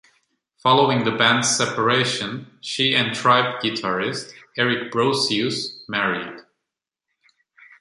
Following the band's separation, she and Tribe guitarist Eric Brosius married.